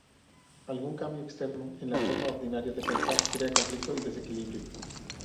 Algún cambio externo en la forma ordinaria de pensar crea conflicto y desequilibrio.